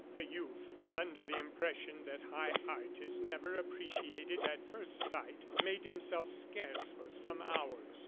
The youth, under the impression that high art is never appreciated at first sight, made himself scarce for some hours.